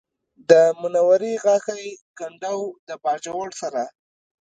د منورې غاښی کنډو د باجوړ سره